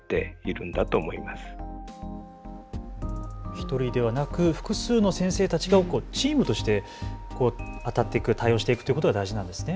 １人ではなく複数の先生たちがチームとしてあたっていく、対応していくということが大事なんですね。